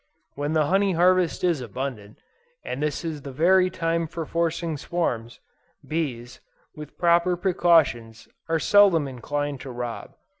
When the honey harvest is abundant, (and this is the very time for forcing swarms,) bees, with proper precautions, are seldom inclined to rob.